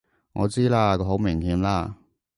我知啦！好明顯啦！